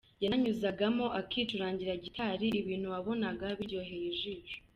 Yananyuzagamo akicurangira gitari ibintu wabonaga biryoheye ijisho.